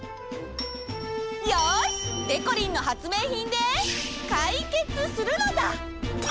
よし！でこりんの発明品でかいけつするのだ！